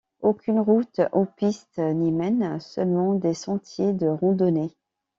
Aucune route ou piste n'y mène, seulement des sentiers de randonnée.